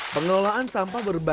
pengelolaan sampah berbahaya